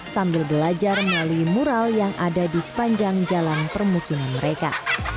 sambil belajar melalui mural yang ada di sepanjang jalan permukiman mereka